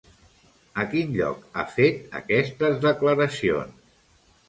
A quin lloc ha fet aquestes declaracions?